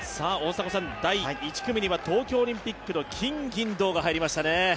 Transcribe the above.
第１組には東京オリンピックの金・銀・銅が入りましたね。